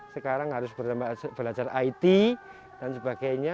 sekarang harus belajar it dan sebagainya